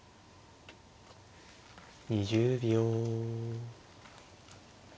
２０秒。